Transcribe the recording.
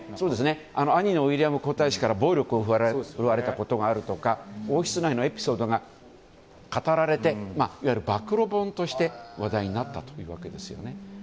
兄のウィリアム皇太子から暴力を振るわれたことがあるとか王室内のエピソードが語られていわゆる暴露本として話題になったわけですよね。